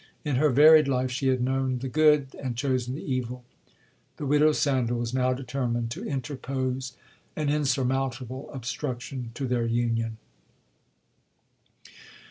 In her varied life she had known the good, and chosen the evil. The widow Sandal was now determined to interpose an insurmountable obstruction to their union.